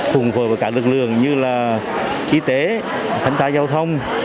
hùng hồi với các lực lượng như là y tế khán giả giao thông